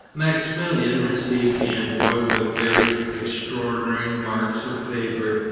Maximilian received the envoy with very extraordinary marks of favor.